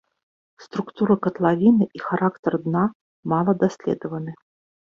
Структура катлавіны і характар дна мала даследаваны.